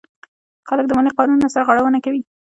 خلک د مالیې قانون نه سرغړونه کوي.